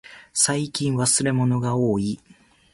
最近忘れ物がおおい。